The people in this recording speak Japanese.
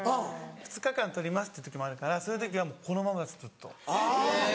２日間撮りますって時もあるからそういう時はこのままですずっと。